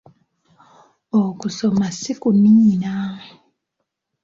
Okusoma si kuniina.